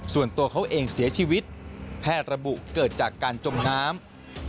ส่วนตัวเขาเองเสียชีวิตแพทย์ระบุเกิดจากการจมน้ำ